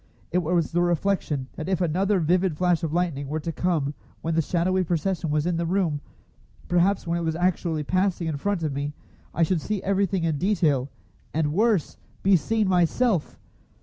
It was the reflection that if another vivid flash of lightning were to come when the shadowy procession was in the room, perhaps when it was actually passing in front of me, I should see everything in detail, and worse, be seen myself!